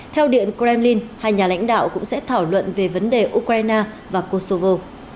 theo điện kremlin hai nhà lãnh đạo cũng sẽ thảo luận về vấn đề ukraine và kosovo